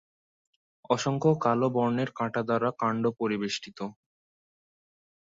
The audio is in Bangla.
অসংখ্য কালো বর্ণের কাঁটা দ্বারা কাণ্ড পরিবেষ্টিত।